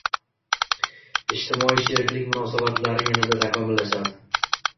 Ijtimoiy sheriklik munosabatlari yanada takomillashadi